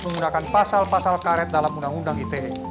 menggunakan pasal pasal karet dalam undang undang ite